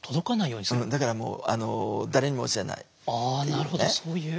なるほどそういう。